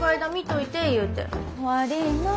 悪いなあ。